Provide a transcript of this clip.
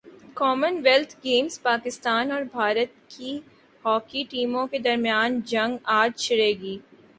common wealth games میں پاکستان اور بھارت کی ہاکی ٹیموں کے درمیان جنگ اج چھڑے گی